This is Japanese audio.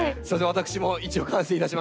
私も一応完成いたしました。